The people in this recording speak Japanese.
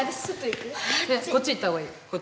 こっち行ったほうがいい。